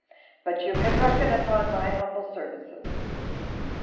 But you can reckon upon my humble services."